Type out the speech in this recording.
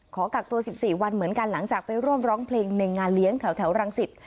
ขอกักตัว๑๔วันเหมือนกันหลังจากไปร่วมร้องเพลงในงานเลี้ยงแถวรังสิต